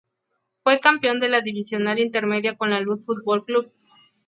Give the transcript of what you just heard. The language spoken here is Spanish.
Fue campeón de la divisional Intermedia con La Luz Fútbol Club.